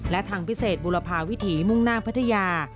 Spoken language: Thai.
และทางพิเศษบุรพาวิถีมุ่งหน้าพัทยา